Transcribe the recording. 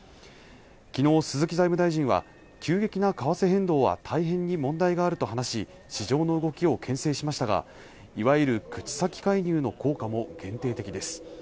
昨日、鈴木財務大臣は急激な為替変動は大変に問題があると話し市場の動きをけん制しましたがいわゆる口先介入の効果も限定的です